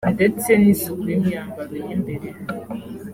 ndetse n’isuku y’imyambaro y’imbere